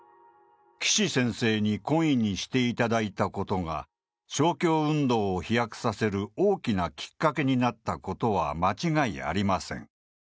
岸先生に懇意にしていただいたことが勝共運動を飛躍させる大きなきっかけになったことは間違いありません。